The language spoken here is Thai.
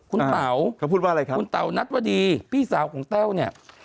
คุณเต๋านัทวดีพี่สาวของแต้วเนี่ย